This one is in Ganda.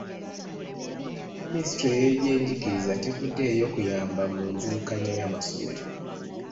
Minisitule y’ebyenjigiriza tevuddeeyo kuyamba mu nzirukanya y’amasomero.